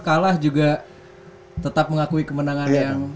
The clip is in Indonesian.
kalah juga tetap mengakui kemenangan yang